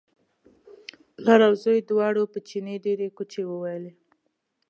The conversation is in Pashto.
پلار او زوی دواړو په چیني ډېرې کوچې وویلې.